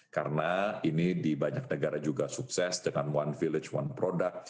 karena ini di banyak negara juga sukses dengan one village one product